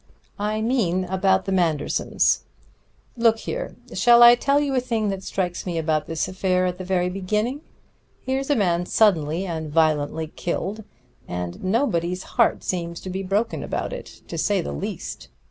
"I mean about the Mandersons. Look here! shall I tell you a thing that strikes me about this affair at the very beginning? Here's a man suddenly and violently killed; and nobody's heart seems to be broken about it, to say the least.